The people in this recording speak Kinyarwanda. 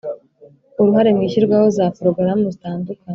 uruhare mu ishyirwaho za porogaramu zitandukanye